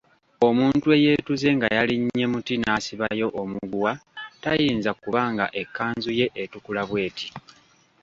Omuntu eyeetuze nga yalinnye muti n'asibayo omuguwa tayinza kuba nga ekkanzu ye etukula bweti.